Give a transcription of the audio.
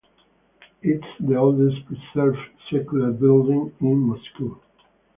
It is the oldest preserved secular building in Moscow.